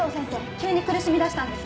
急に苦しみ出したんです。